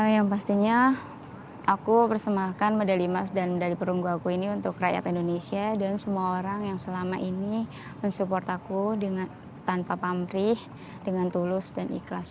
yang pastinya aku persembahkan medali emas dan medali perunggu aku ini untuk rakyat indonesia dan semua orang yang selama ini mensupport aku tanpa pamrih dengan tulus dan ikhlas